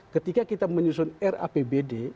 ketika kita menyusun rapbd